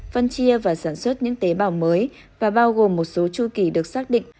phân chia và sản xuất những tế bào mới và bao gồm một số chu kỳ được xác định